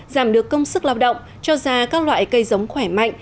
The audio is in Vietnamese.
giảm được công sức lao động cho ra các loại cây giống khỏe mạnh